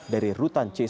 dari rutan kpk